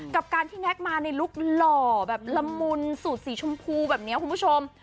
กับการที่แน็กมาในลุคหล่อแบบละมุนสูตรสีชมพูแบบนี้คุณผู้ชม